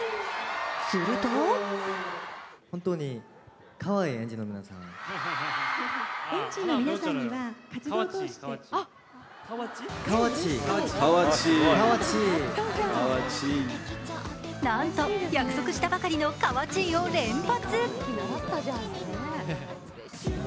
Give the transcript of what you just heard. するとなんと約束したばかりのかわちぃを連発。